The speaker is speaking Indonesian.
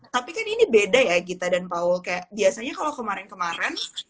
tapi kan ini beda ya gita dan paul kayak biasanya kalau kemarin kemarin